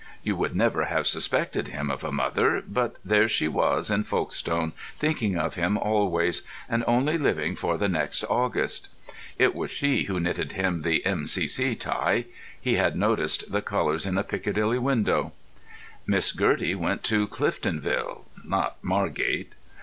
You would never have suspected him of a mother, but there she was in Folkestone, thinking of him always, and only living for the next August. It was she who knitted him the M.C.C. tie; he had noticed the colours in a Piccadilly window. Miss Gertie went to Cliftonville—not Margate.